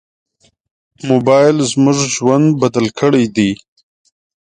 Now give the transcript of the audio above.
موبایل زموږ ژوند بدل کړی دی.